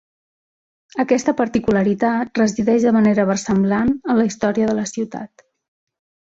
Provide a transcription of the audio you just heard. Aquesta particularitat resideix de manera versemblant en la història de la ciutat.